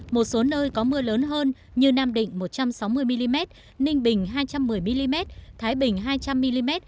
một số nơi có mưa lớn hơn như nam định một trăm sáu mươi mm ninh bình hai trăm một mươi mm thái bình hai trăm linh mm